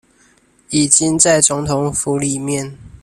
已經在總統府裡面